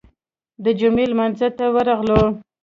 د جمعې لمانځه ته ورغلو.